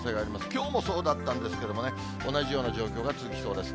きょうもそうだったんですけれどもね、同じような状況が続きそうです。